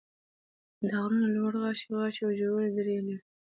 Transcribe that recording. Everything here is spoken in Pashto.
دا غرونه لوړ غاښي غاښي او ژورې درې لري.